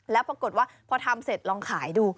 แล้วปรากฏว่าพอทำเสร็จลองขายดู